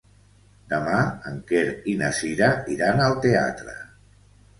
Demà en Quer i na Cira iran al teatre.